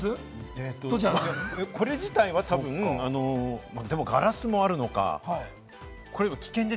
これ自体は多分、でもガラスもあるのか。